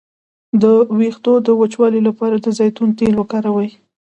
د ویښتو د وچوالي لپاره د زیتون تېل وکاروئ